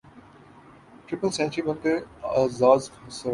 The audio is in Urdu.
ٹرپل سنچری بن کا اعزاز صرف